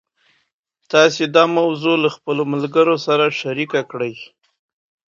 تاسي دا موضوع له خپلو ملګرو سره شریکه کړئ.